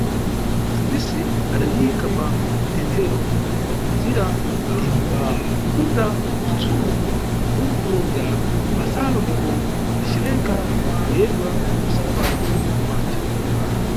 Mpfunzisi adaliyikha pa mtenthero, pa kumaliza ndidapukuta, bzitsulo, mbuto ya basalo ndipo ndicileka kuyebwa kusamba bwino-bwino mʼmanja.